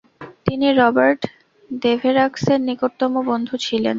তিনি রবার্ট দেভেরাক্সের নিকটতম বন্ধু ছিলেন।